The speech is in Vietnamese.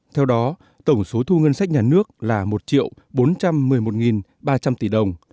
theo đó tổng số thu ngân sách nhà nước là một bốn trăm một mươi một ba trăm linh tỷ đồng